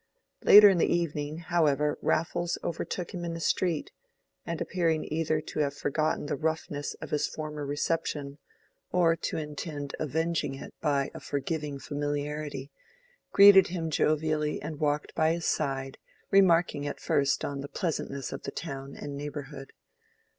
Later in the evening, however, Raffles overtook him in the street, and appearing either to have forgotten the roughness of his former reception or to intend avenging it by a forgiving familiarity, greeted him jovially and walked by his side, remarking at first on the pleasantness of the town and neighborhood.